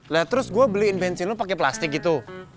lah terus gue beliin bensin lo pakai plastik gitu